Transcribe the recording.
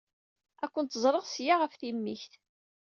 Ad kent-ẓreɣ seg-a ɣef timikt.